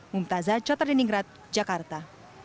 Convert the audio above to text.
mumtazah cotardiningrat jakarta